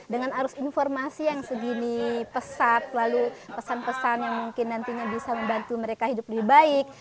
dengan arus informasi yang segini pesat lalu pesan pesan yang mungkin nantinya bisa membantu mereka hidup lebih baik